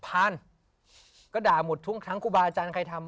พานก็ด่าหมดทุกครั้งครูบาอาจารย์ใครทำ